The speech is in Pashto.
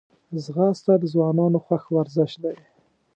ځغاسته د ځوانانو خوښ ورزش دی